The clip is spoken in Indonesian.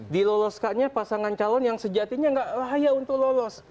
diloloskannya pasangan calon yang sejatinya nggak layak untuk lolos